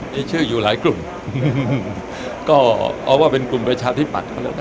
มีชื่ออยู่หลายกลุ่มก็เอาว่าเป็นกลุ่มประชาธิบัตย์ก็แล้วกัน